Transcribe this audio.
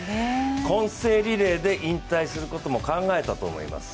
混成リレーで引退することも考えたと思います。